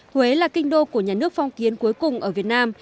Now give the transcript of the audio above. huế là kinh đô của nhà nước phong kiến cuối cùng ở việt nam